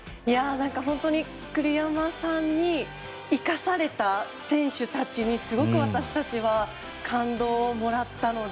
本当に栗山さんに生かされた選手たちに、すごく私たちは感動をもらったので。